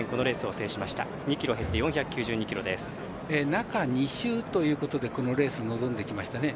中２週ということでこのレースに臨んできましたね。